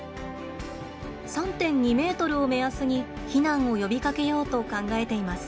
３．２メートルを目安に避難を呼びかけようと考えています。